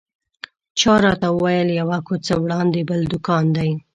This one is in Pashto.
چا راته وویل یوه کوڅه وړاندې بل دوکان دی.